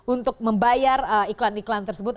untuk membayar iklan iklan tersebut